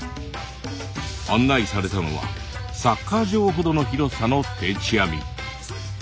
案内されたのはサッカー場ほどの広さの定置網。